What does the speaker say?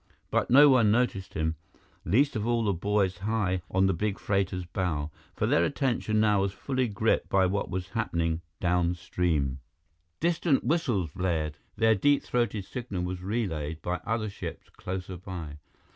But no one noticed him, least of all the boys high on the big freighter's bow, for their attention now was fully gripped by what was happening downstream. Distant whistles blared; their deep throated signal was relayed by other ships closer by.